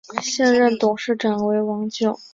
现任董事长为王炯。